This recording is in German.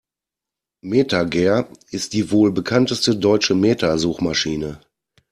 MetaGer ist die wohl bekannteste deutsche Meta-Suchmaschine.